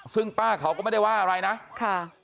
ซึ่งป้าเขาก็ไม่ได้ว่าอะไรนะค่ะ